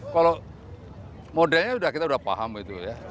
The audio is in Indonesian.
kalau modelnya kita sudah paham itu ya